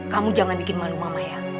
kamu jangan bikin malu mama ya